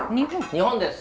日本です！